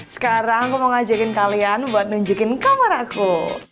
sekarang aku mau ngajakin kalian buat nunjukin kamar aku